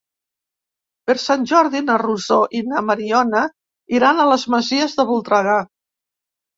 Per Sant Jordi na Rosó i na Mariona iran a les Masies de Voltregà.